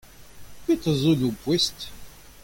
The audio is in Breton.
Petra zo en ho poest ?